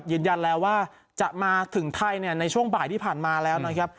ยืนยันแล้วว่าจะมาถึงไทยในช่วงบ่ายที่ผ่านมาแล้วนะครับ